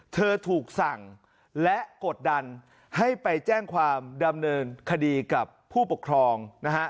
เธอถูกสั่งและกดดันให้ไปแจ้งความดำเนินคดีกับผู้ปกครองนะฮะ